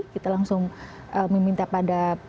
kita langsung meminta pada